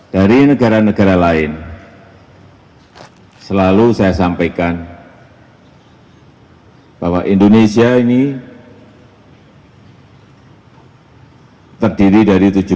dari negara negara lain selalu saya sampaikan bahwa indonesia ini terdiri dari tujuh